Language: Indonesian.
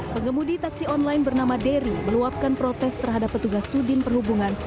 pengemudi taksi online bernama dery meluapkan protes terhadap petugas sudin perhubungan